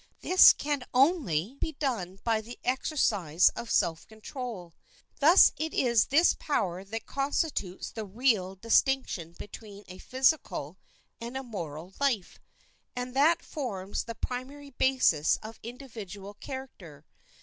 This can only be done by the exercise of self control. Thus it is this power that constitutes the real distinction between a physical and a moral life, and that forms the primary basis of individual character.